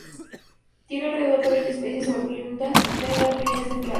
Tiene alrededor de veinte especies oriundas de las regiones templadas.